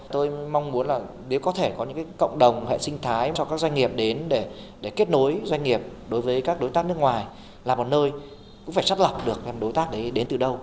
tôi mong muốn là nếu có thể có những cộng đồng hệ sinh thái cho các doanh nghiệp đến để kết nối doanh nghiệp đối với các đối tác nước ngoài là một nơi cũng phải chất lập được đối tác đấy đến từ đâu